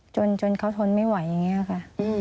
จนเขาทนไม่ไหวอย่างนี้ค่ะ